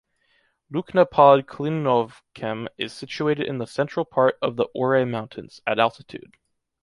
Loučná pod Klínovcem is situated in the central part of the Ore Mountains, at altitude.